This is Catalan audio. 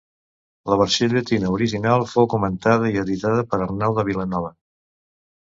La versió llatina original fou comentada i editada per Arnau de Vilanova.